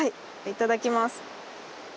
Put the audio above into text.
いただきます。